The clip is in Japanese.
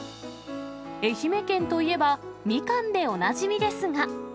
愛媛県といえば、ミカンでおなじみですが。